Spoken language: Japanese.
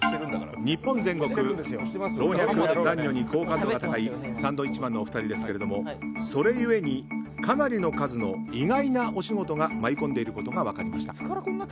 日本全国老若男女に好感度が高いサンドウィッチマンのお二人ですけれどもそれ故にかなりの数の意外なお仕事が舞い込んでいることが分かりました。